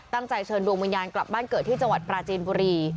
เชิญดวงวิญญาณกลับบ้านเกิดที่จังหวัดปราจีนบุรี